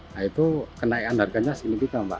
nah itu kenaikan harganya signifika